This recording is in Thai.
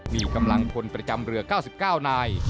มีกำลังพลประจำเรือ๙๙นาย